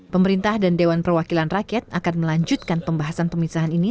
pemerintah dan dewan perwakilan rakyat akan melanjutkan pembahasan pemisahan ini